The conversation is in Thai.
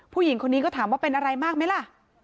ผู้หญิงคนนี้ก็ถามว่าเป็นอะไรมากไหมล่ะ